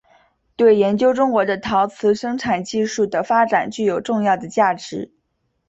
对研究中国的陶瓷生产技术的发展具有重要的价值。